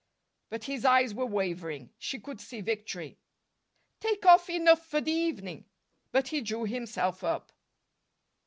But his eyes were wavering. She could see victory. "Take off enough for the evening." But he drew himself up.